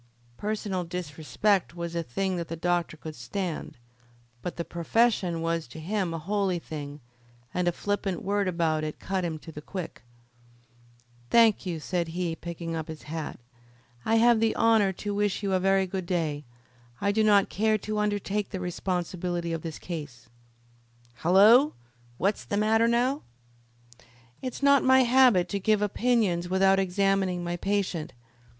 Personal disrespect was a thing that the doctor could stand; but the profession was to him a holy thing, and a flippant word about it cut him to the quick. "Thank you," said he, picking up his hat. "I have the honour to wish you a very good day. I do not care to undertake the responsibility of this case." "Hullo! what's the matter now?" "It is not my habit to give opinions without examining my patient.